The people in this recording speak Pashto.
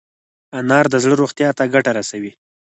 انار د زړه روغتیا ته ګټه رسوي.